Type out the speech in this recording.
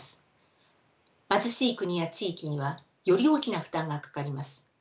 貧しい国や地域にはより大きな負担がかかります。